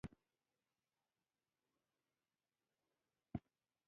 باغداري د افغانستان د اقتصاد مهمه برخه ده.